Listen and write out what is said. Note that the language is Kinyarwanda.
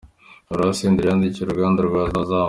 Ibaruwa Senderi yandikiye uruganda rwa Azam.